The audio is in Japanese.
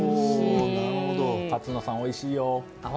勝野さん、おいしいよ。